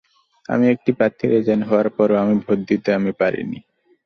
আমি একটি প্রার্থীর এজেন্ট হওয়ার পরও আমার ভোট আমি দিতে পারিনি।